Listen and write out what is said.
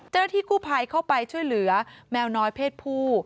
เจ้าหน้าที่กู้ภัยเข้าไปช่วยเหลือแมวน้อยเพศผู้